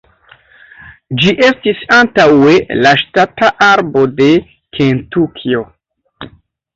Ĝi estis antaŭe la ŝtata arbo de Kentukio.